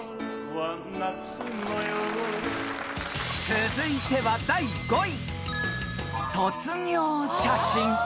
［続いては第５位］